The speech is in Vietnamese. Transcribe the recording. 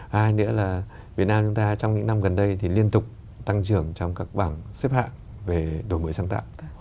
hai nữa là việt nam chúng ta trong những năm gần đây thì liên tục tăng trưởng trong các bảng xếp hạng về đổi mới sáng tạo